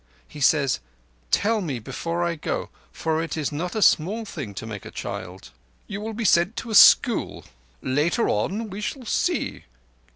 He says, 'Tell me before I go, for it is not a small thing to make a child.'" "You will be sent to a school. Later on, we shall see.